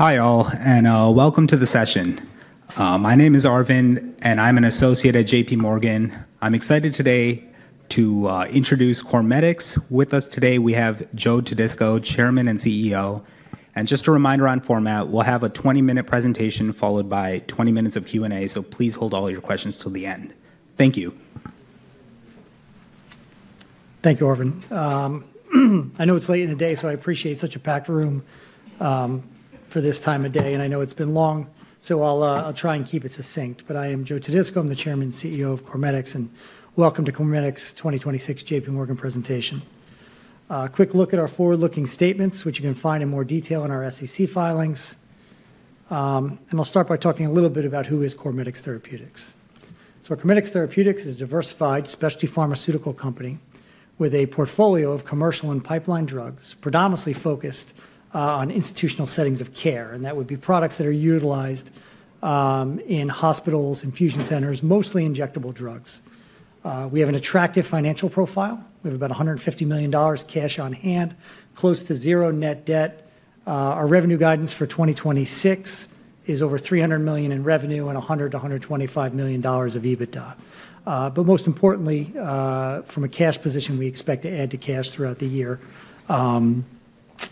3Hi all, and welcome to the session. My name is Arvind, and I'm an associate at J.P. Morgan. I'm excited today to introduce CorMedix. With us today, we have Joe Todisco, Chairman and CEO. And just a reminder on format, we'll have a 20-minute presentation followed by 20 minutes of Q&A, so please hold all your questions till the end. Thank you. Thank you, Arvind. I know it's late in the day, so I appreciate such a packed room for this time of day, and I know it's been long, so I'll try and keep it succinct, but I am Joe Todisco. I'm the Chairman and CEO of CorMedix, and welcome to CorMedix 2026 J.P. Morgan presentation. A quick look at our forward-looking statements, which you can find in more detail in our SEC filings, and I'll start by talking a little bit about who CorMedix Therapeutics is, so CorMedix Therapeutics is a diversified specialty pharmaceutical company with a portfolio of commercial and pipeline drugs, predominantly focused on institutional settings of care, and that would be products that are utilized in hospitals, infusion centers, mostly injectable drugs. We have an attractive financial profile. We have about $150 million cash on hand, close to zero net debt. Our revenue guidance for 2026 is over $300 million in revenue and $100-$125 million of EBITDA. But most importantly, from a cash position, we expect to add to cash throughout the year.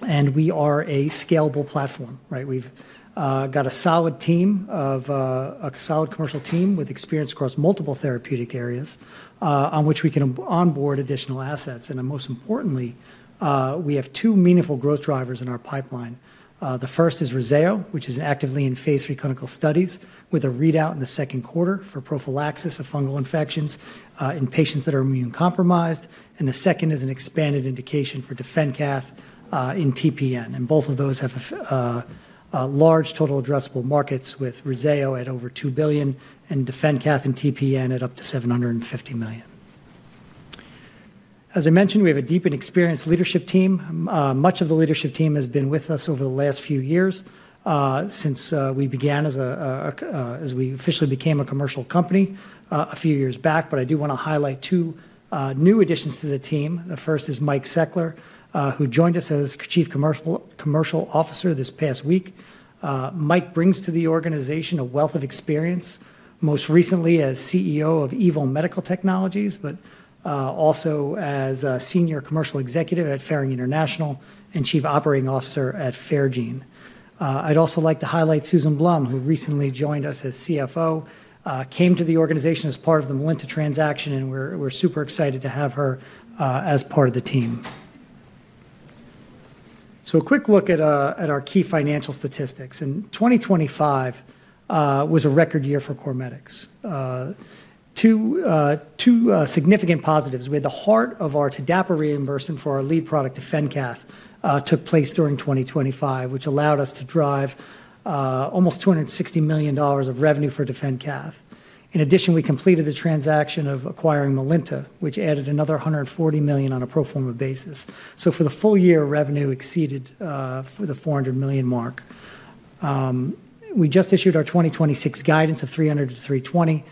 And we are a scalable platform. We've got a solid team, a solid commercial team with experience across multiple therapeutic areas on which we can onboard additional assets. And most importantly, we have two meaningful growth drivers in our pipeline. The first is Rezzayo, which is actively in phase three clinical studies with a readout in the second quarter for prophylaxis of fungal infections in patients that are immunocompromised. And the second is an expanded indication for DefenCath in TPN. And both of those have large total addressable markets with Rezzayo at over $2 billion and DefenCath in TPN at up to $750 million. As I mentioned, we have a deep and experienced leadership team. Much of the leadership team has been with us over the last few years since we began as we officially became a commercial company a few years back. But I do want to highlight two new additions to the team. The first is Mike Seckler, who joined us as Chief Commercial Officer this past week. Mike brings to the organization a wealth of experience, most recently as CEO of EvoEndo, but also as Senior Commercial Executive at Ferring Pharmaceuticals and Chief Operating Officer at FerGene. I'd also like to highlight Susan Blum, who recently joined us as CFO, came to the organization as part of the Melinta transaction, and we're super excited to have her as part of the team. So a quick look at our key financial statistics. And 2025 was a record year for CorMedix. Two two significant positives. The heart of our TDAPA reimbursement for our lead product, DefenCath, took place during 2025, which allowed us to drive almost $260 million of revenue for DefenCath. In addition, we completed the transaction of acquiring Melinta, which added another $140 million on a pro forma basis. So for the full year, revenue exceeded the $400 million mark. We just issued our 2026 guidance of $300-$320.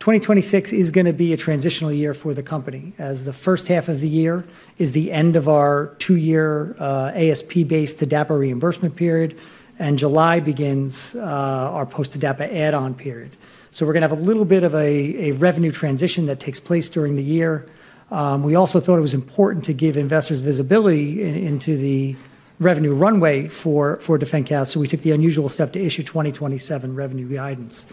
2026 is going to be a transitional year for the company, as the first half of the year is the end of our two-year ASP-based TDAPA reimbursement period, and July begins our post-TDAPA add-on period. So we're going to have a little bit of a revenue transition that takes place during the year. We also thought it was important to give investors visibility into the revenue runway for for DefenCath, so we took the unusual step to issue 2027 revenue guidance.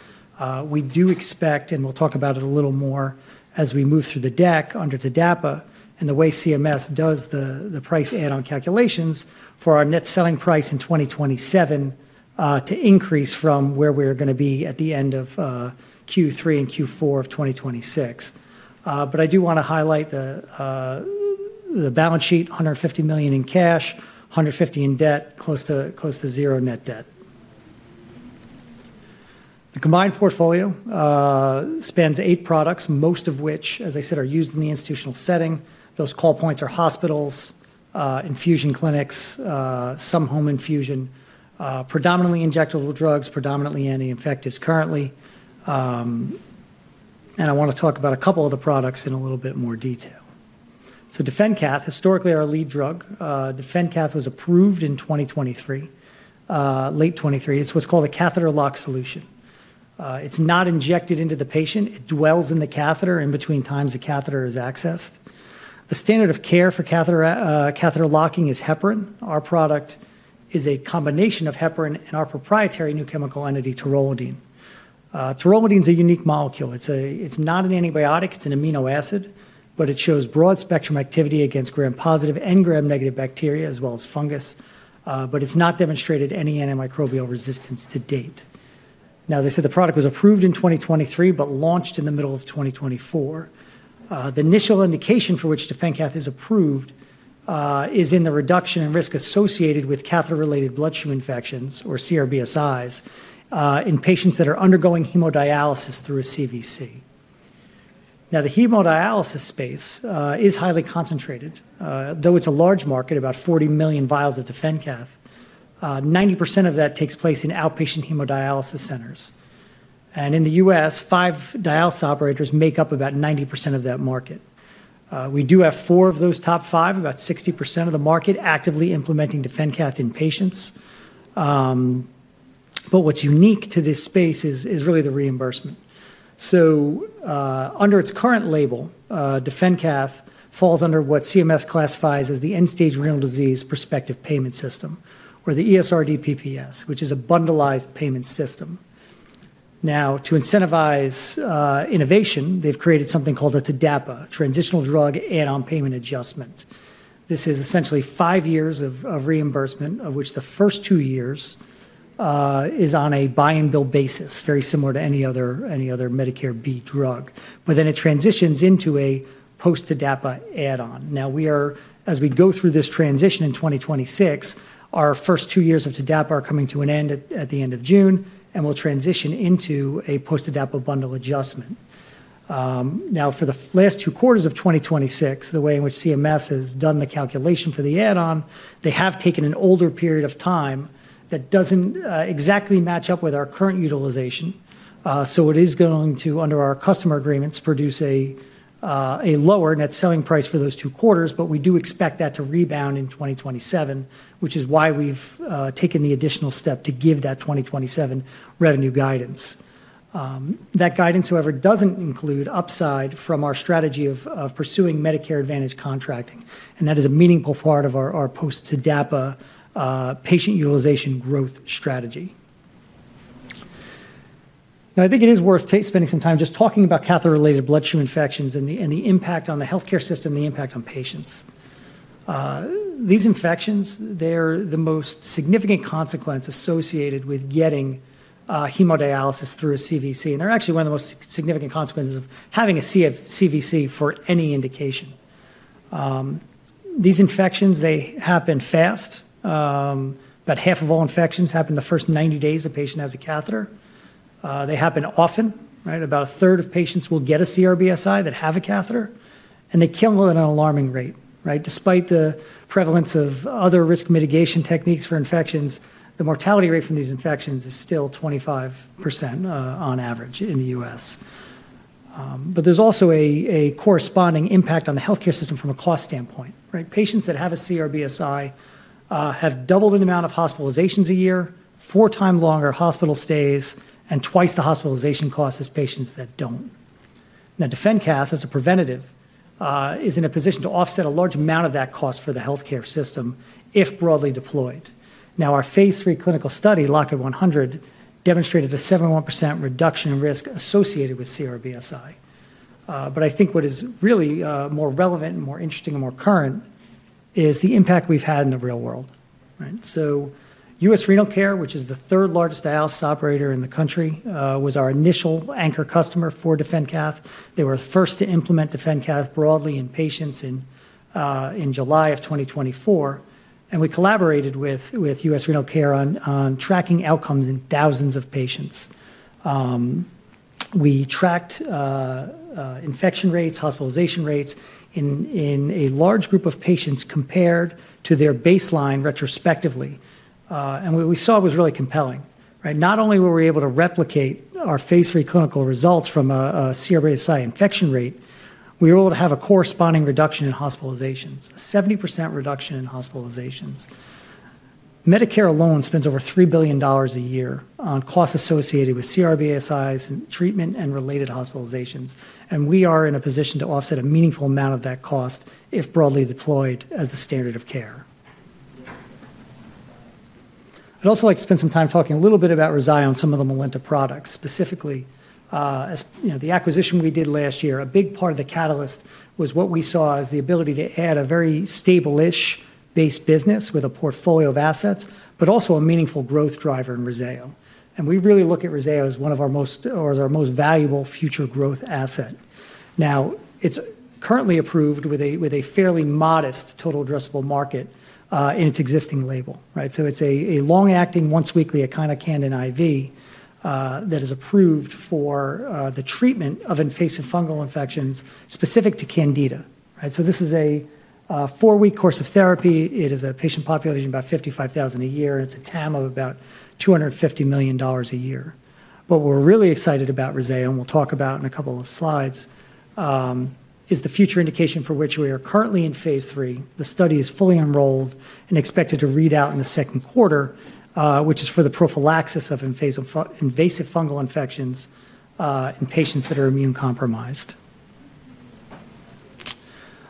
We do expect, and we'll talk about it a little more as we move through the deck under TDAPA and the way CMS does the price add-on calculations for our net selling price in 2027 to increase from where we're going to be at the end of Q3 and Q4 of 2026. But I do want to highlight the the balance sheet: $150 million in cash, $150 in debt, close to zero net debt. The combined portfolio spans eight products, most of which, as I said, are used in the institutional setting. Those call points are hospitals, infusion clinics, some home infusion, predominantly injectable drugs, predominantly anti-infectious currently. And I want to talk about a couple of the products in a little bit more detail. So DefenCath, historically our lead drug, DefenCath was approved in 2023, late 2023. It's what's called a catheter lock solution. It's not injected into the patient. It dwells in the catheter in between times the catheter is accessed. The standard of care for catheter locking is heparin. Our product is a combination of heparin and our proprietary new chemical entity, taurolidine. Taurolidine is a unique molecule. It's not an antibiotic. It's an amino acid, but it shows broad-spectrum activity against gram-positive and gram-negative bacteria, as well as fungus. But it's not demonstrated any antimicrobial resistance to date. Now, as I said, the product was approved in 2023, but launched in the middle of 2024. The initial indication for which DefenCath is approved is in the reduction in risk associated with catheter-related bloodstream infections, or CRBSIs, in patients that are undergoing hemodialysis through a CVC. Now, the hemodialysis space is highly concentrated, though it's a large market, about 40 million vials of DefenCath. 90% of that takes place in outpatient hemodialysis centers. And in the US, five dialysis operators make up about 90% of that market. We do have four of those top five, about 60% of the market actively implementing DefenCath in patients. But what's unique to this space is really the reimbursement. So under its current label, DefenCath falls under what CMS classifies as the end-stage renal disease prospective payment system, or the ESRD PPS, which is a bundled payment system. Now, to incentivize innovation, they've created something called a TDAPA, transitional drug add-on payment adjustment. This is essentially five years of of reimbursement, of which the first two years is on a buy-and-bill basis, very similar to any other, any other Medicare B drug. Then it transitions into a post-TDAPA add-on. Now we are, as we go through this transition in 2026, our first two years of TDAPA are coming to an end at the end of June, and we'll transition into a post-TDAPA bundle adjustment. Now, for the last two quarters of 2026, the way in which CMS has done the calculation for the add-on, they have taken an older period of time that doesn't exactly match up with our current utilization. So it is going to, under our customer agreements, produce a a lower net selling price for those two quarters, but we do expect that to rebound in 2027, which is why we've taken the additional step to give that 2027 revenue guidance. That guidance, however, doesn't include upside from our strategy of pursuing Medicare Advantage contracting. And that is a meaningful part of our post-TDAPA patient utilization growth strategy. Now, I think it is worth spending some time just talking about catheter-related bloodstream infections and the impact on the healthcare system, the impact on patients. These infections, they're the most significant consequence associated with getting hemodialysis through a CVC. And they're actually one of the most significant consequences of having a CVC for any indication. These infections, they happen fast. About half of all infections happen the first 90 days a patient has a catheter. They happen often. About a third of patients will get a CRBSI that have a catheter. And they kill at an alarming rate. Despite the prevalence of other risk mitigation techniques for infections, the mortality rate from these infections is still 25% on average in the U.S. But there's also a corresponding impact on the healthcare system from a cost standpoint. Patients that have a CRBSI have double the amount of hospitalizations a year, four times longer hospital stays, and twice the hospitalization costs as patients that don't. Now, DefenCath, as a preventative, is in a position to offset a large amount of that cost for the healthcare system if broadly deployed. Now, our phase three clinical study, LOCK-IT 100, demonstrated a 71% reduction in risk associated with CRBSI. But I think what is really more relevant and more interesting and more current is the impact we've had in the real world, so US Renal Care, which is the third largest dialysis operator in the country, was our initial anchor customer for DefenCath. They were the first to implement DefenCath broadly in patients in July of 2024, and we collaborated with US Renal Care on tracking outcomes in thousands of patients. We tracked infection rates, hospitalization rates in in a large group of patients compared to their baseline retrospectively, and what we saw was really compelling. Not only were we able to replicate our phase three clinical results from a CRBSI infection rate, we were able to have a corresponding reduction in hospitalizations, a 70% reduction in hospitalizations. Medicare alone spends over $3 billion a year on costs associated with CRBSIs and treatment and related hospitalizations, and we are in a position to offset a meaningful amount of that cost if broadly deployed as the standard of care. I'd also like to spend some time talking a little bit about Rezzayo and some of the Melinta products. Specifically, the acquisition we did last year, a big part of the catalyst was what we saw as the ability to add a very established-based business with a portfolio of assets, but also a meaningful growth driver in Rezzayo. And we really look at Rezzayo as one of our most valuable future growth assets. Now, it's currently approved with a, with a fairly modest total addressable market in its existing label. So it's a long-acting, once weekly, echinocandin IV that is approved for the treatment of invasive fungal infections specific to Candida. So this is a four-week course of therapy. It is a patient population of about 55,000 a year. It's a TAM of about $250 million a year. What we're really excited about Rezzayo, and we'll talk about in a couple of slides, is the future indication for which we are currently in phase three. The study is fully enrolled and expected to read out in the second quarter, which is for the prophylaxis of invasive fungal infections in patients that are immunocompromised.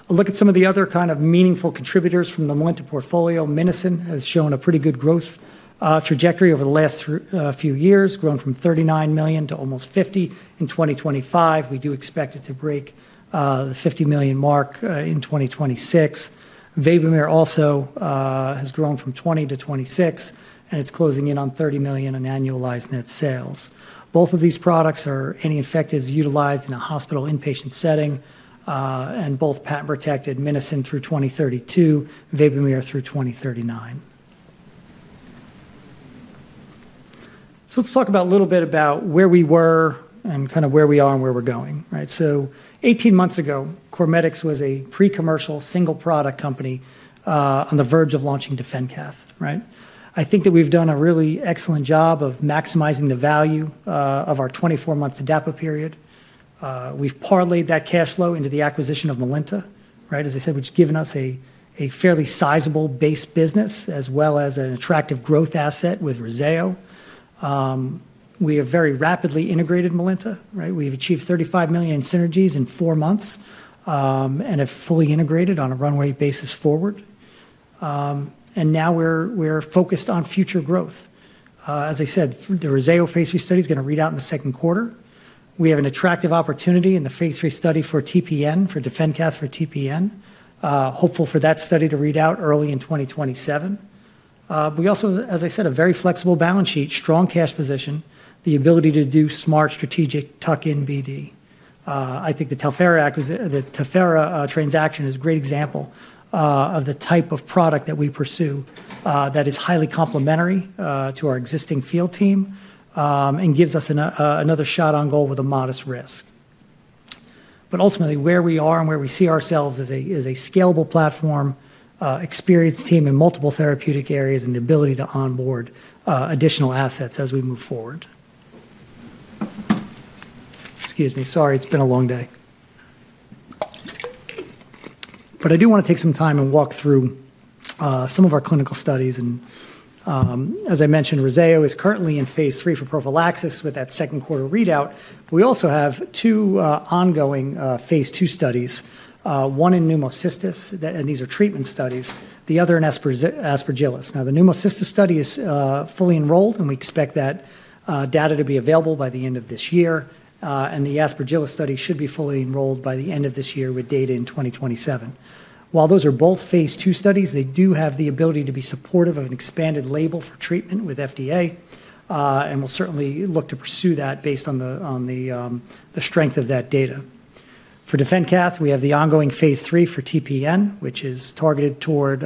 I'll look at some of the other kind of meaningful contributors from the Melinta portfolio. Minocin has shown a pretty good growth trajectory over the last few years, growing from $39 million to almost $50 million in 2025. We do expect it to break the $50 million mark in 2026. Vabomere also has grown from $20 million-$26 million, and it's closing in on $30 million in annualized net sales. Both of these products are anti-infectious utilized in a hospital inpatient setting, and both patent-protected, Minocin through 2032, Vabomere through 2039. So let's talk about a little bit about where we were and kind of where we are and where we're going. And so 18 months ago, CorMedix was a pre-commercial single-product company on the verge of launching DefenCath. I think that we've done a really excellent job of maximizing the value of our 24-month TDAPA period. We've parlayed that cash flow into the acquisition of Melinta, as I said, which has given us a fairly sizable base business as well as an attractive growth asset with Rezzayo. We have very rapidly integrated Melinta. We've achieved $35 million in synergies in four months and have fully integrated on a runway basis forward. And now we're, we're focused on future growth. As I said, the Rezzayo phase three study is going to read out in the second quarter. We have an attractive opportunity in the phase three study for TPN, for DefenCath for TPN. Hopeful for that study to read out early in 2027. We also, as I said, a very flexible balance sheet, strong cash position, the ability to do smart strategic tuck-in BD. I think the Tavara transaction is a great example of the type of product that we pursue that is highly complementary to our existing field team and gives us another shot on goal with a modest risk. But ultimately, where we are and where we see ourselves is a scalable platform, experienced team in multiple therapeutic areas, and the ability to onboard additional assets as we move forward. Excuse me. Sorry, it's been a long day. But I do want to take some time and walk through some of our clinical studies. And as I mentioned, Rezzayo is currently in phase 3 for prophylaxis with that second quarter readout. But we also have two ongoing phase 2 studies, one in Pneumocystis, and these are treatment studies, the other in Aspergillus. Now, the Pneumocystis study is fully enrolled, and we expect that data to be available by the end of this year, and the Aspergillus study should be fully enrolled by the end of this year with data in 2027. While those are both phase 2 studies, they do have the ability to be supportive of an expanded label for treatment with FDA, and we'll certainly look to pursue that based on the, on the strength of that data. For DefenCath, we have the ongoing phase 3 for TPN, which is targeted toward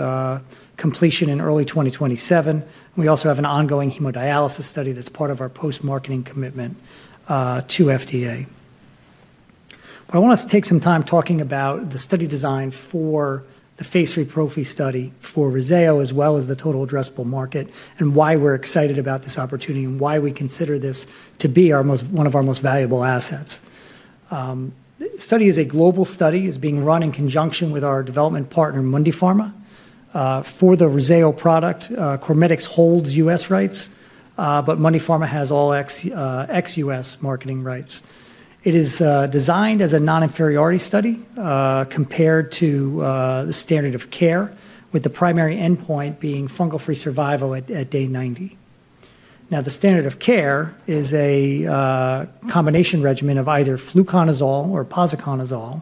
completion in early 2027. We also have an ongoing hemodialysis study that's part of our post-marketing commitment to FDA. But I want to take some time talking about the study design for the phase 3 prophy study for Rezzayo, as well as the total addressable market, and why we're excited about this opportunity and why we consider this to be one of our most valuable assets. The study is a global study. It's being run in conjunction with our development partner, Mundipharma. For the Rezzayo product, CorMedix holds U.S. rights, but Mundipharma has all ex-US marketing rights. It is designed as a non-inferiority study compared to the standard of care, with the primary endpoint being fungal-free survival at day 90. Now, the standard of care is a combination regimen of either fluconazole or posaconazole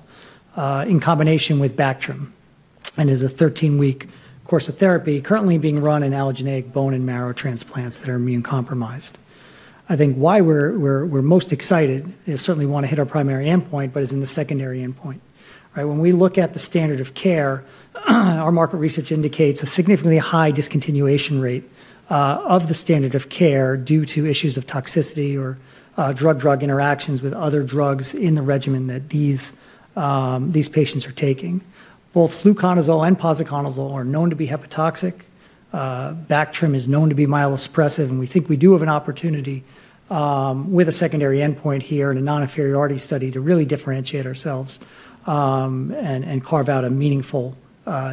in combination with Bactrim and is a 13-week course of therapy currently being run in allogeneic bone and marrow transplants that are immunocompromised. I think why we're, we're most excited is certainly we want to hit our primary endpoint, but it's in the secondary endpoint. When we look at the standard of care, our market research indicates a significantly high discontinuation rate of the standard of care due to issues of toxicity or drug-drug interactions with other drugs in the regimen that these, these patients are taking. Both fluconazole and posaconazole are known to be hepatotoxic. Bactrim is known to be myelosuppressive, and we think we do have an opportunity with a secondary endpoint here in a non-inferiority study to really differentiate ourselves and carve out a meaningful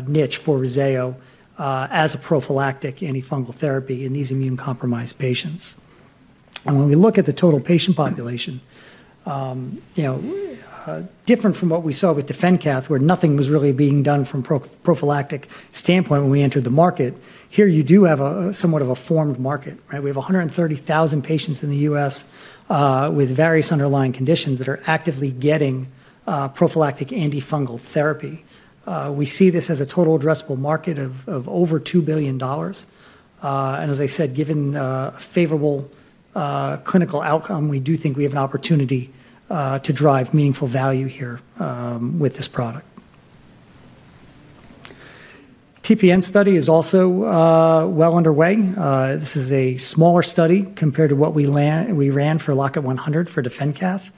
niche for Rezzayo as a prophylactic antifungal therapy in these immunocompromised patients. When we look at the total patient population, you know, different from what we saw with DefenCath, where nothing was really being done from a prophylactic standpoint when we entered the market, here you do have somewhat of a formed market. We have 130,000 patients in the U.S. with various underlying conditions that are actively getting prophylactic antifungal therapy. We see this as a total addressable market of over $2 billion. And as I said, given a favorable clinical outcome, we do think we have an opportunity to drive meaningful value here with this product. TPN study is also well underway. This is a smaller study compared to what we ran for LOCK-IT for DefenCath,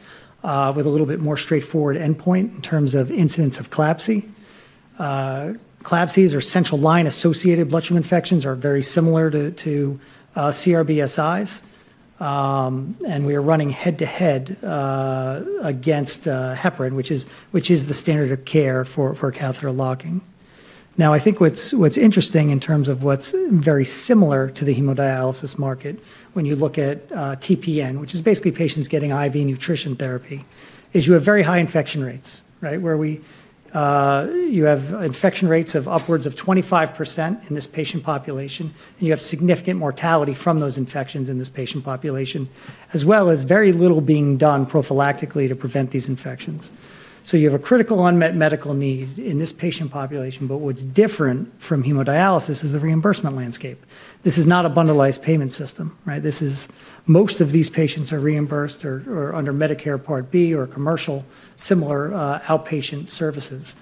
with a little bit more straightforward endpoint in terms of incidence of CLABSI. CLABSIs or central line-associated bloodstream infections are very similar to CRBSIs. And we are running head-to-head against heparin, which is, which is the standard of care for catheter locking. Now, I think what's interesting in terms of what's very similar to the hemodialysis market when you look at TPN, which is basically patients getting IV nutrition therapy, is you have very high infection rates, where you have infection rates of upwards of 25% in this patient population, and you have significant mortality from those infections in this patient population, as well as very little being done prophylactically to prevent these infections. So you have a critical unmet medical need in this patient population, but what's different from hemodialysis is the reimbursement landscape. This is not a bundled payment system. Most of these patients are reimbursed under Medicare Part B or commercial similar outpatient services.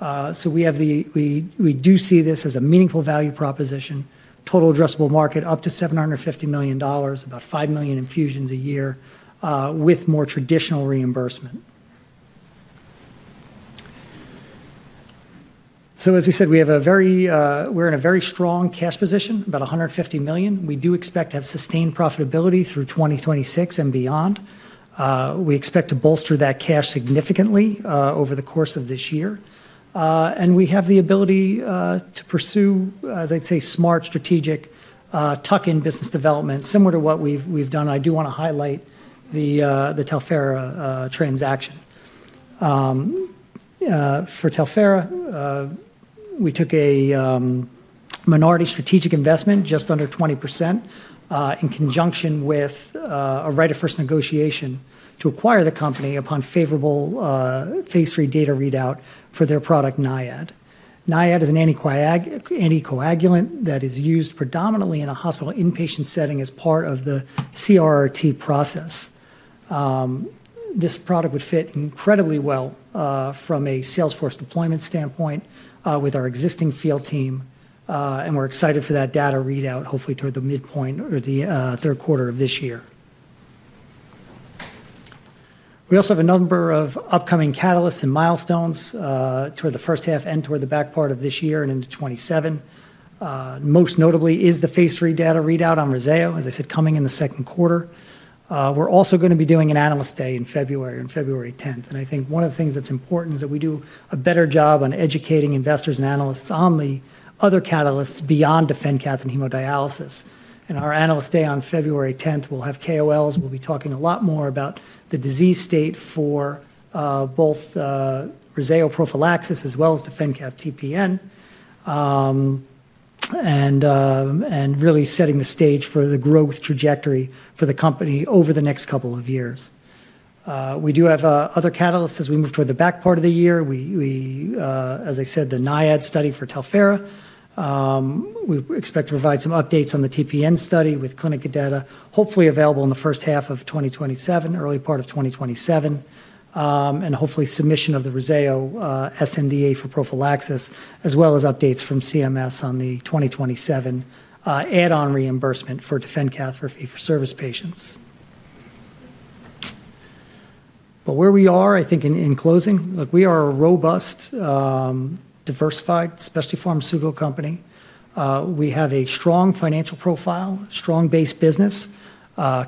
So we have, we do see this as a meaningful value proposition, total addressable market up to $750 million, about 5 million infusions a year with more traditional reimbursement. So as we said, we have a very, we're in a very strong cash position, about $150 million. We do expect to have sustained profitability through 2026 and beyond. We expect to bolster that cash significantly over the course of this year. And we have the ability to pursue, as I'd say, smart strategic tuck-in business development similar to what we've done. I do want to highlight the Tavara transaction. For Tavara, we took a minority strategic investment just under 20% in conjunction with a right of first negotiation to acquire the company upon favorable phase three data readout for their product, Niyad. Niyad is an anticoagulant that is used predominantly in a hospital inpatient setting as part of the CRRT process. This product would fit incredibly well from a sales force deployment standpoint with our existing field team, and we're excited for that data readout, hopefully toward the midpoint or the third quarter of this year. We also have a number of upcoming catalysts and milestones toward the first half and toward the back part of this year and into 2027. Most notably is the phase three data readout on Rezzayo, as I said, coming in the second quarter. We're also going to be doing an analyst day in February on February 10th, and I think one of the things that's important is that we do a better job on educating investors and analysts on the other catalysts beyond DefenCath and hemodialysis, and our analyst day on February 10th, we'll have KOLs. We'll be talking a lot more about the disease state for both Rezzayo prophylaxis as well as DefenCath TPN and, and really setting the stage for the growth trajectory for the company over the next couple of years. We do have other catalysts as we move toward the back part of the year. We, as I said, the Niyad study for Tavara. We expect to provide some updates on the TPN study with clinical data, hopefully available in the first half of 2027, early part of 2027, and hopefully submission of the Rezzayo sNDA for prophylaxis, as well as updates from CMS on the 2027 add-on reimbursement for DefenCath for ESRD patients. But where we are, I think in closing, look, we are a robust, diversified specialty pharmaceutical company. We have a strong financial profile, strong base business,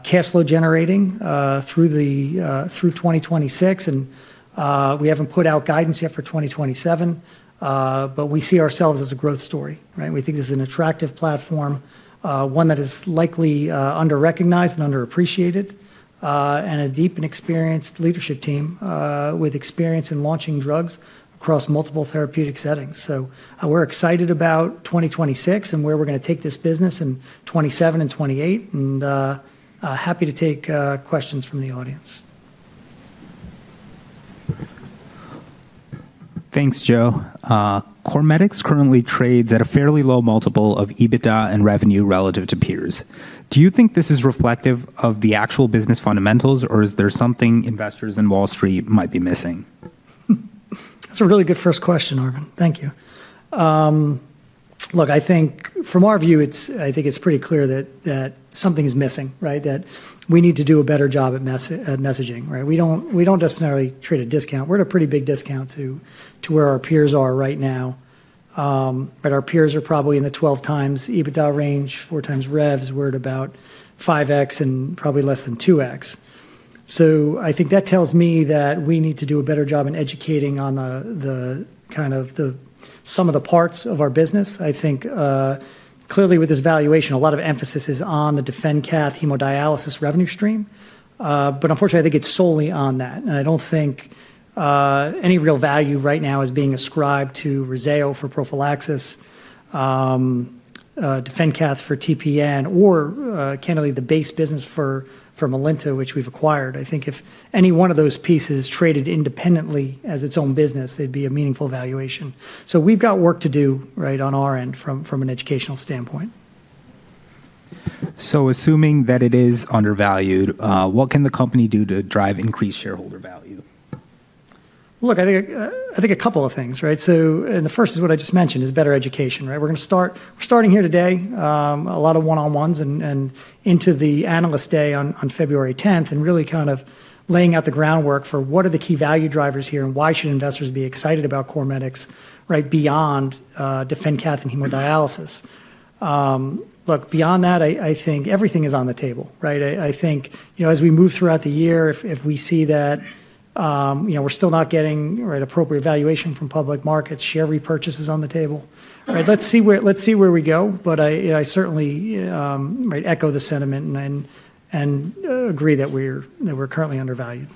cash flow generating through 2026, and we haven't put out guidance yet for 2027, but we see ourselves as a growth story. We think this is an attractive platform, one that is likely under-recognized and under-appreciated, and a deep and experienced leadership team with experience in launching drugs across multiple therapeutic settings. So we're excited about 2026 and where we're going to take this business in 2027 and 2028, and happy to take questions from the audience. Thanks, Joe. CorMedix currently trades at a fairly low multiple of EBITDA and revenue relative to peers. Do you think this is reflective of the actual business fundamentals, or is there something investors in Wall Street might be missing? That's a really good first question, Arvind. Thank you. Look, I think from our view, I think it's pretty clear that, that something's missing, that we need to do a better job at messaging. We don't necessarily trade a discount. We're at a pretty big discount to where our peers are right now. Our peers are probably in the 12 times EBITDA range, 4 times revs. We're at about 5x and probably less than 2x. So I think that tells me that we need to do a better job in educating on the, on the, on kind of some of the parts of our business. I think clearly with this valuation, a lot of emphasis is on the DefenCath hemodialysis revenue stream, but unfortunately, I think it's solely on that. And I don't think any real value right now is being ascribed to Rezzayo for prophylaxis, DefenCath for TPN, or candidly, the base business for Melinta, which we've acquired. I think if any one of those pieces traded independently as its own business, there'd be a meaningful valuation. So we've got work to do on our end from an educational standpoint. So assuming that it is undervalued, what can the company do to drive increased shareholder value? Look, I think a couple of things, right? So and the first is what I just mentioned, is better education. We're gona start, starting here today, a lot of one-on-ones and and into the Analyst Day on February 10th, and really kind of laying out the groundwork for what are the key value drivers here and why should investors be excited about CorMedix beyond DefenCath and hemodialysis. Look, beyond that, I think everything is on the table. I think as we move throughout the year, if we see that we're still not getting appropriate valuation from public markets, share repurchase is on the table. Let's see, let's see where we go, but I certainly echo the sentiment and and and agree that we're, that we're currently undervalued.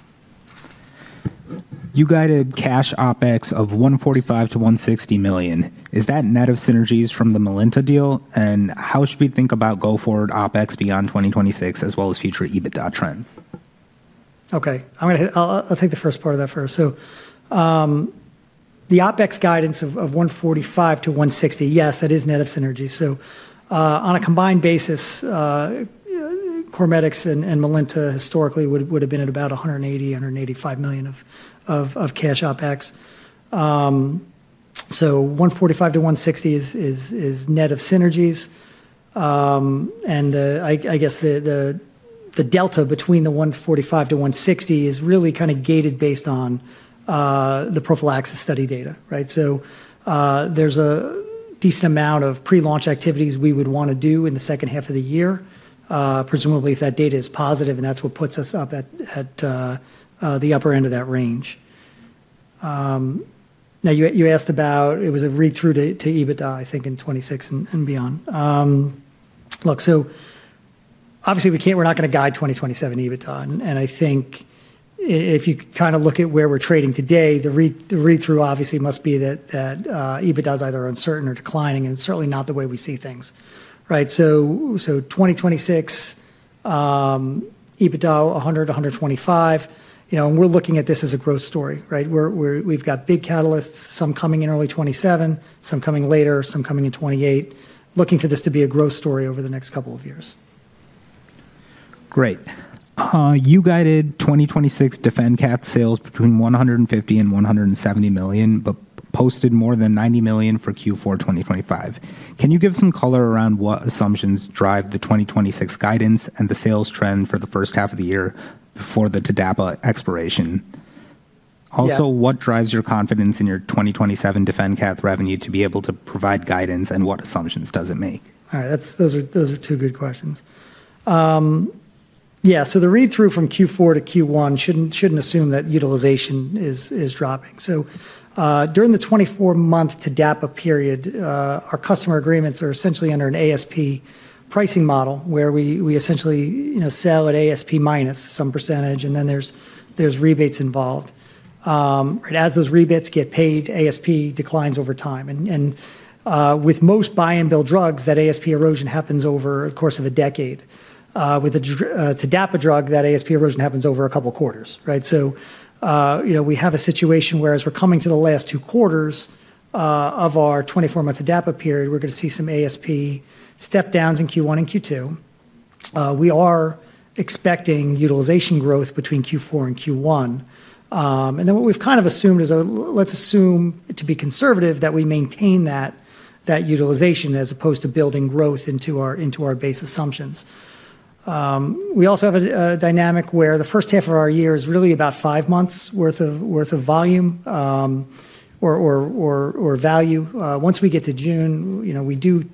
You guided cash OpEx of $145-$160 million. Is that net of synergies from the Melinta deal? And how should we think about go forward OpEx beyond 2026, as well as future EBITDA trends? Okay. I'll take the first part of that first. So the OpEx guidance of $145-$160 million, yes, that is net of synergies. So on a combined basis, CorMedix and Melinta historically would have been at about $180-$185 million of cash OpEx. So $145-$160 million is is is net of synergies. And I guess the delta between the $145-$160 million is really kind of gated based on the prophylaxis study data. Right, so there's a decent amount of pre-launch activities we would want to do in the second half of the year, presumably if that data is positive and that's what puts us up at the upper end of that range. Now, you asked about it was a read-through to EBITDA, I think, in 2026 and beyond. Look, so obviously, we're not going to guide 2027 EBITDA. And I think if you kind of look at where we're trading today, the read-through obviously must be that EBITDA is either uncertain or declining, and certainly not the way we see things. Right, so 2026 EBITDA 100-125. And we're looking at this as a growth story, right. We've got big catalysts, some coming in early 2027, some coming later, some coming in 2028, looking for this to be a growth story over the next couple of years. Great. You guided 2026 DefenCath sales between $150-$170 million, but posted more than $90 million for Q4 2025. Can you give some color around what assumptions drive the 2026 guidance and the sales trend for the first half of the year before the TDAPA expiration? Also, what drives your confidence in your 2027 DefenCath revenue to be able to provide guidance, and what assumptions does it make? All right. Those are two good questions. Yeah. So the read-through from Q4 to Q1 shouldn't assume that utilization is is dropping. So during the 24-month TDAPA period, our customer agreements are essentially under an ASP pricing model where we essentially sell at ASP minus some percentage, and then there's rebates involved. And as those rebates get paid, ASP declines over time. And with most buy-and-bill drugs, that ASP erosion happens over the course of a decade. With a TDAPA drug, that ASP erosion happens over a couple of quarters, right. So we have a situation where as we're coming to the last two quarters of our 24-month TDAPA period, we're going to see some ASP step-downs in Q1 and Q2. We are expecting utilization growth between Q4 and Q1. And then what we've kind of assumed is, let's assume to be conservative that we maintain that utilization as opposed to building growth into our, into our base assumptions. We also have a dynamic where the first half of our year is really about five months' worth of volume or or or value. Once we get to June, we do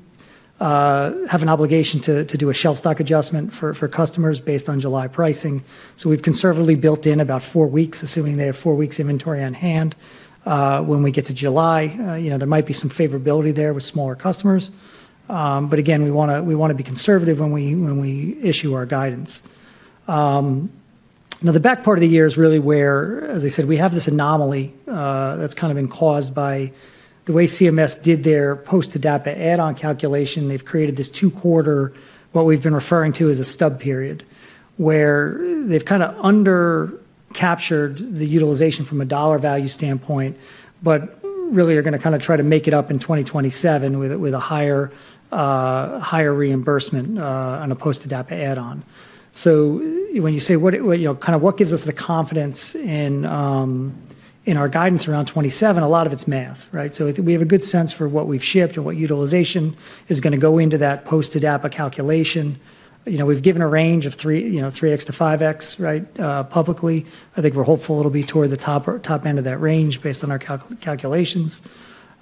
have an obligation to do a shelf stock adjustment for customers based on July pricing. So we've conservatively built in about four weeks, assuming they have four weeks' inventory on hand. When we get to July, there might be some favorability there with smaller customers. But again, we want to be conservative when we issue our guidance. Now, the back part of the year is really where, as I said, we have this anomaly that's kind of been caused by the way CMS did their post-TDAPA add-on calculation. They've created this two-quarter, what we've been referring to as a stub period, where they've kind of under-captured the utilization from a dollar value standpoint, but really are going to kind of try to make it up in 2027 with a higher reimbursement on a post-TDAPA add-on. So when you say kind of what gives us the confidence in our guidance around 2027, a lot of it's math. So we have a good sense for what we've shipped and what utilization is going to go into that post-TDAPA calculation. We've given a range of 3x to 5x publicly. I think we're hopeful it'll be toward the top end of that range based on our calculations,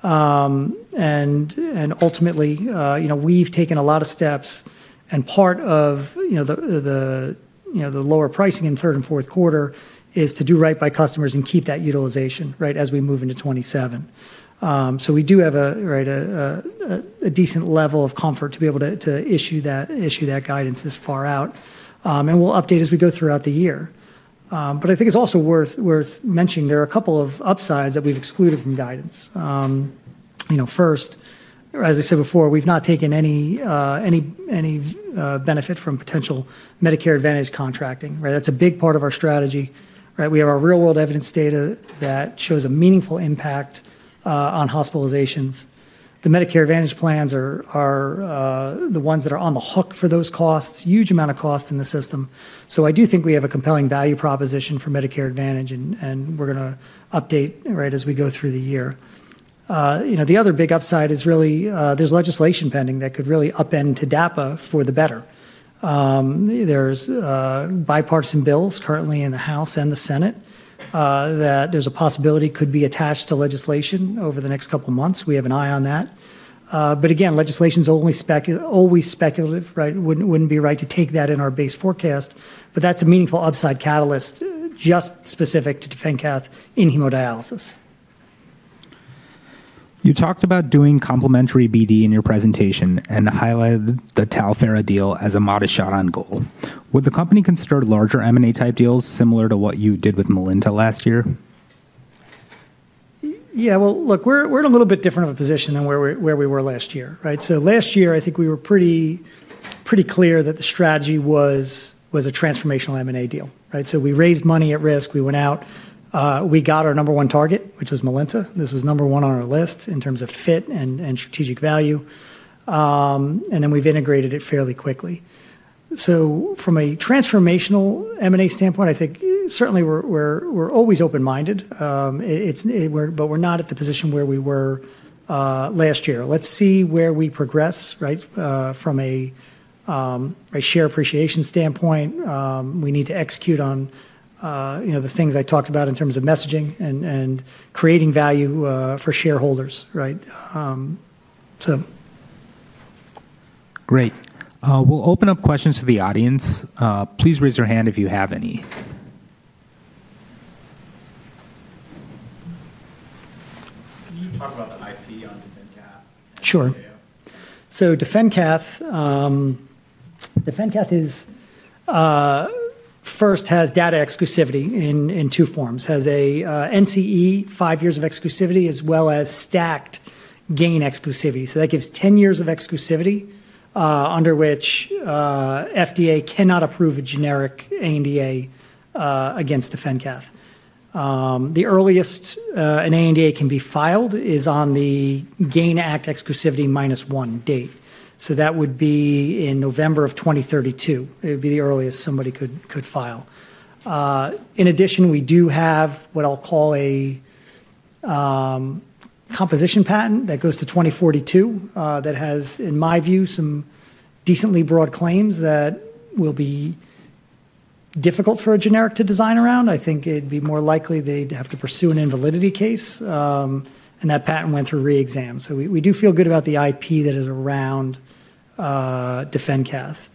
and ultimately, we've taken a lot of steps, and part of the the the lower pricing in third and fourth quarter is to do right by customers and keep that utilization as we move into 2027. So we do have a decent level of comfort to be able to issue that, to issue that guidance this far out, and we'll update as we go throughout the year, but I think it's also worth worth mentioning there are a couple of upsides that we've excluded from guidance. First, as I said before, we've not taken any any any benefit from potential Medicare Advantage contracting. That's a big part of our strategy. And we have our real-world evidence data that shows a meaningful impact on hospitalizations. The Medicare Advantage plans are the ones that are on the hook for those costs, huge amount of cost in the system. So I do think we have a compelling value proposition for Medicare Advantage, and we're going to update as we go through the year. The other big upside is really there's legislation pending that could really upend TDAPA for the better. There's bipartisan bills currently in the House and the Senate that there's a possibility could be attached to legislation over the next couple of months. We have an eye on that. But again, legislation's always speculative. Wouldn't be right to take that in our base forecast, but that's a meaningful upside catalyst just specific to DefenCath in hemodialysis. You talked about doing complementary BD in your presentation and highlighted the Tavara deal as a modest shot on goal. Would the company consider larger M&A type deals similar to what you did with Melinta last year? Yeah. Well, look, we're in a little bit different of a position than where we were last year. So last year, I think we were pretty, pretty clear that the strategy was a transformational M&A deal. So we raised money at risk. We went out. We got our number one target, which was Melinta. This was number one on our list in terms of fit and strategic value. And then we've integrated it fairly quickly. So from a transformational M&A standpoint, I think certainly we're we're always open-minded, but we're not at the position where we were last year. Let's see where we progress from a share appreciation standpoint. We need to execute on the things I talked about in terms of messaging and and creating value for shareholders. Great. We'll open up questions to the audience. Please raise your hand if you have any. Can you talk about the IP on DefenCath? Sure. So DefenCath, DefenCath first has data exclusivity in two forms. Has an NCE, five years of exclusivity, as well as stacked GAIN exclusivity. So that gives 10 years of exclusivity under which FDA cannot approve a generic ANDA against DefenCath. The earliest an ANDA can be filed is on the GAIN Act exclusivity minus one date. So that would be in November of 2032. It would be the earliest somebody could file. In addition, we do have what I'll call a composition patent that goes to 2042 that has, in my view, some decently broad claims that will be difficult for a generic to design around. I think it'd be more likely they'd have to pursue an invalidity case, and that patent went through re-exam. So we do feel good about the IP that is around DefenCath.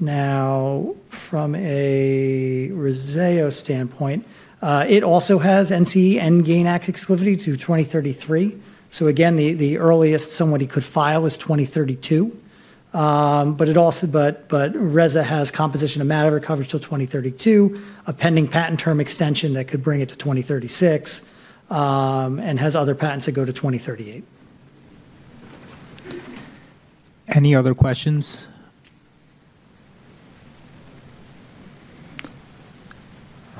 Now, from a Rezzayo standpoint, it also has NCE and GAIN Act exclusivity to 2033. So again, the earliest somebody could file is 2032. But also, but Rezzayo has composition of matter coverage till 2032, a pending patent term extension that could bring it to 2036, and has other patents that go to 2038. Any other questions?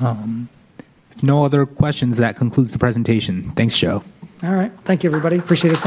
If no other questions, that concludes the presentation. Thanks, Joe. All right. Thank you, everybody. Appreciate it.